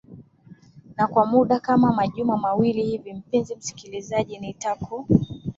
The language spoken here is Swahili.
na kwa muda kama majuma mawili hivi mpenzi msikilizaji nitaku